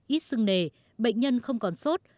ít sưng nề bệnh nhân không còn sốt